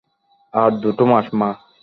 আর দুটো মাস, মা।